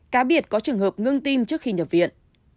cá biệt có trường hợp ngưng tim trước khi nhập viện